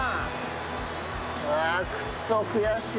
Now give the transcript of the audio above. うわクソ悔しい。